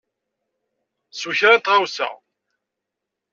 Sew kra n tɣawsa.